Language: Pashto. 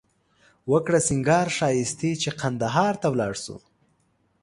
وکړه سینگار ښایښتې چې قندهار ته ولاړ شو